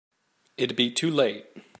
It'd be too late.